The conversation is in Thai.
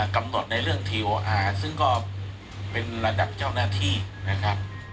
กำหนดในเรื่องทีโออาร์ซึ่งก็เป็นระดับเจ้าหน้าที่นะครับ